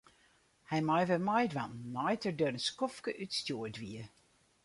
Hy mei wer meidwaan nei't er der in skoftke útstjoerd wie.